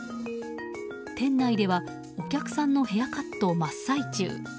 店内ではお客さんのヘアカット真っ最中。